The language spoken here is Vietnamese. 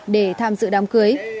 để tham dự đám cưới